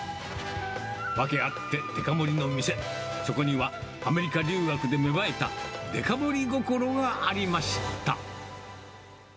ワケあってデカ盛りの店、そこにはアメリカ留学で芽生えたデカ盛り心がありました。